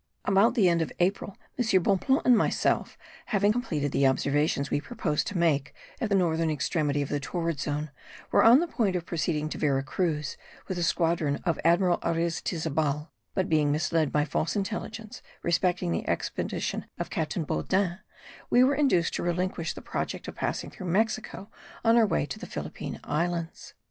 About the end of April, M. Bonpland and myself, having completed the observations we proposed to make at the northern extremity of the torrid zone, were on the point of proceeding to Vera Cruz with the squadron of Admiral Ariztizabal; but being misled by false intelligence respecting the expedition of Captain Baudin, we were induced to relinquish the project of passing through Mexico on our way to the Philippine Islands.